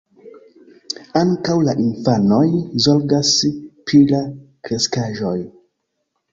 Ankaŭ la infanoj zorgas pri la kreskaĵoj.